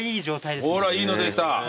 ほらいいのできた。